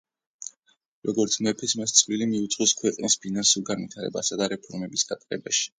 როგორც მეფეს მას წვლილი მიუძღვის ქვეყნის ფინანსურ განვითარებასა და რეფორმების გატარებაში.